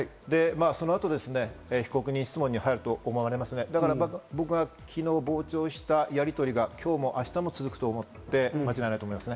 そのあと被告人質問に入ると思われますが、僕は昨日傍聴したやりとりが今日も明日も続くと思って間違いないと思います。